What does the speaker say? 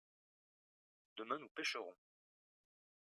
demain nous pêcherons.